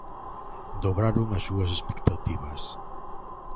Dobraron as súas expectativas.